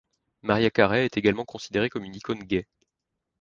Mariah Carey est également considérée comme une icône gay.